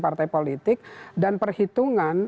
partai politik dan perhitungan